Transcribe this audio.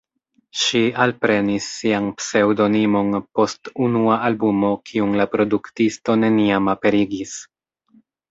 Ŝi alprenis sian pseŭdonimon post unua albumo kiun la produktisto neniam aperigis.